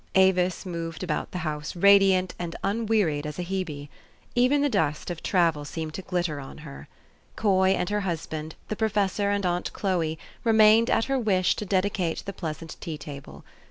Avis moved about the house radiant and unwearied as a Hebe : even the dust of travel seemed to glitter on her. Coy and her husband, the professor and aunt Chloe, remained, at her wish, to dedicate the pleasant tea table.